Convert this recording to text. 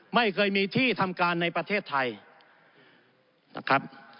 ไม่เคยมีที่ทำการในประเทศไทยนะครับ